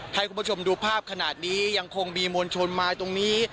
ให้คุณผู้ชมดูภาพขนาดนี้ยังคงมีมวลชนมาตรงนี้